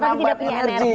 tapi tidak punya energi